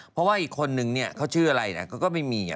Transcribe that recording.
เพราะว่าอีกคนนึงเขาชื่ออะไรก็ไม่มี